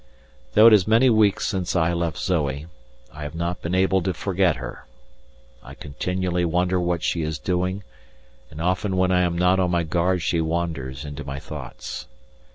Though it is many weeks since I left Zoe, I have not been able to forget her. I continually wonder what she is doing, and often when I am not on my guard she wanders into my thoughts.